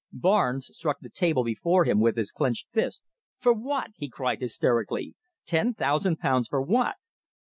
Barnes struck the table before him with his clenched fist. "For what?" he cried, hysterically. "Ten thousand pounds for what?"